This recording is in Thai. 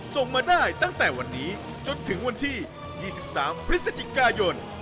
ส่งมาได้ตั้งแต่วันนี้จนถึงวันที่๒๓พฤศจิกายน